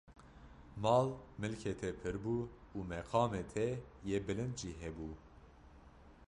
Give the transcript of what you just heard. mal, milkê te pir bû û meqamê te yê bilind jî hebû.